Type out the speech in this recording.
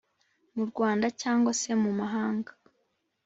mu rwanda cyangwa se mu mahanga